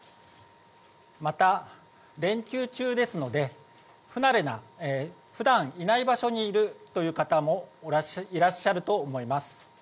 また、連休中ですので、不慣れな、ふだんいない場所にいるという方もいらっしゃると思います。